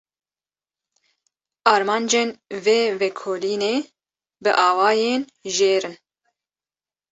Armancên vê vekolînê bi awayên jêr in: